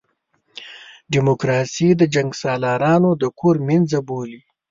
ډیموکراسي د جنګسالارانو د کور مېنځه بولي.